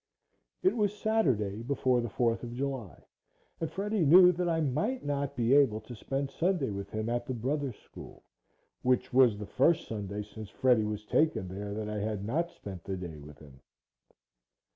It was Saturday before the Fourth of July and Freddie knew that I might not be able to spend Sunday with him at the Brothers School which was the first Sunday since Freddie was taken there that I had not spent the day with him.